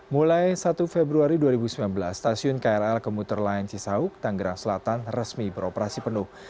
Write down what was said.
mulai satu februari dua ribu sembilan belas stasiun krl kemuter line cisauk tanggerang selatan resmi beroperasi penuh